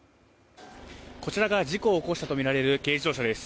こちらが事故を起こしたとみられる軽乗用車です。